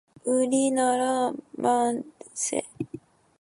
우리나라 만세